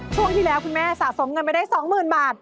ช่วงที่แล้วคุณแม่สะสมเงินไปได้๒๐๐๐บาท